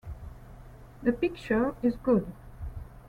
The picture is good.